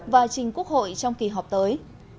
và trình quốc hội trong kỳ họp tới